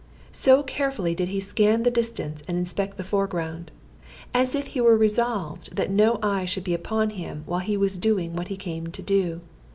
So carefully did he scan the distance and inspect the foreground, as if he were resolved that no eye should be upon him while he was doing what he came to do.